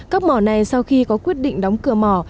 các mỏ này sau khi có quyết định đóng cửa mỏ